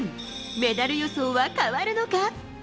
メダル予想は変わるのか。